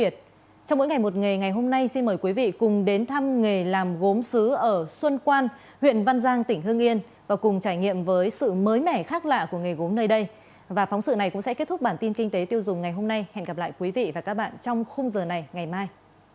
thế tiêu dùng ngày hôm nay hẹn gặp lại quý vị và các bạn trong khung giờ này ngày mai